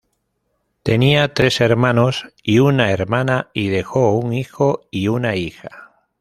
Tenía tres hermanos y una hermana y dejó un hijo y una hija.